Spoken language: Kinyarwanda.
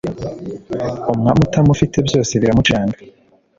Umwami utamufite byose biramucanga